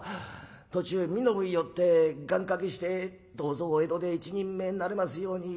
途中身延へ寄って願かけして『どうぞお江戸で一人前になれますように。